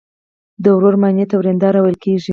د ورور ماینې ته وریندار ویل کیږي.